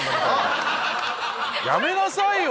やめなさいよ！